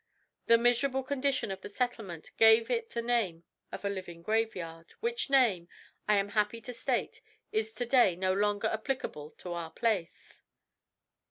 The miserable condition of the settlement gave it the name of a living graveyard, which name, I am happy to state, is to day no longer applicable to our place."